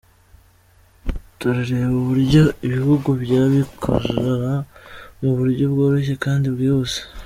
Turareba uburyo ibihugu byabikora mu buryo bworoshye kandi bwihuse.